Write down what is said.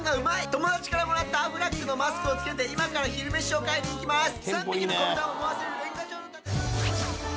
友達からもらったアフラックのマスクを着けて今から昼飯を買いに行きます。